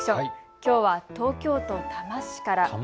きょうは東京都多摩市から。